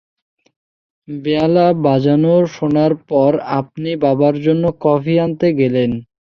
বেহালা বাজানো শোনার পর আপনি বাবার জন্যে কফি আনতে গেলেন।